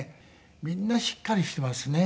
みんなしっかりしていますね。